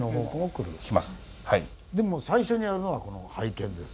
でも最初にやるのはこの拝見ですよね。